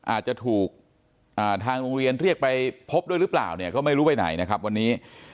อาจจะถูกทางโรงเรียนเรียกไปพบด้วยหรือเปล่าเนี่ยก็ไม่รู้ไปไหนนะครับวันนี้